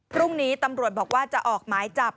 พรุ่งนี้ตำรวจบอกว่าจะออกหมายจับ